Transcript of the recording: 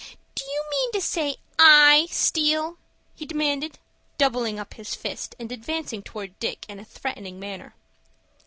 "Do you mean to say I steal?" he demanded, doubling up his fist, and advancing towards Dick in a threatening manner.